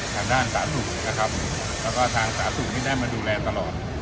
ทางด้านสาธุนะครับแล้วก็ทางสาธุที่ได้มาดูแลตลอด